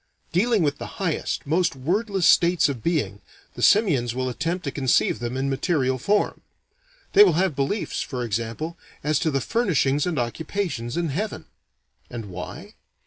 Dealing with the highest, most wordless states of being, the simians will attempt to conceive them in material form. They will have beliefs, for example, as to the furnishings and occupations in heaven. And why?